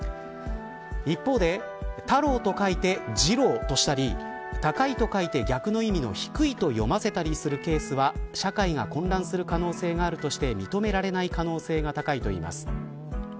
一方で、太郎と書いてじろうとしたり高いと書いて、逆の意味の低いと読ませたりするケースは社会が混乱する可能性があるとして、認められない可能性が高いといいます。